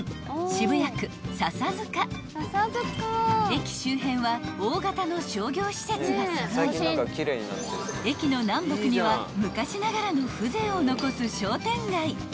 ［駅周辺は大型の商業施設が揃い駅の南北には昔ながらの風情を残す商店街］